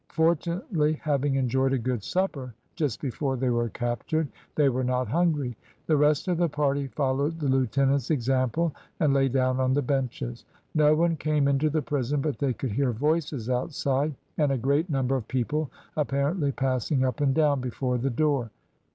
Fortunately, having enjoyed a good supper just before they were captured, they were not hungry. The rest of the party followed the lieutenant's example, and lay down on the benches. No one came into the prison, but they could hear voices outside and a great number of people apparently passing up and down before the door.